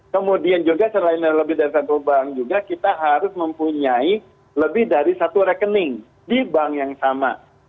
kemudian juga selain lebih dari satu bank juga kita harus mempunyai lebih dari satu rekening di bank yang sama